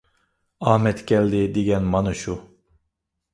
ئامەت كەلدى دېگەن مانا شۇ!